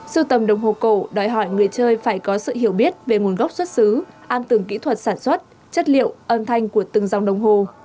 sưu tầm đồng hồ cổ đòi hỏi người chơi phải có sự hiểu biết về nguồn gốc xuất xứ an từng kỹ thuật sản xuất chất liệu âm thanh của từng dòng đồng hồ